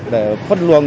để phân luồng